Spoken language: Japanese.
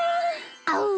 あう。